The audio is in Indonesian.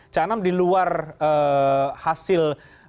caanam di luar hasil lima puluh satu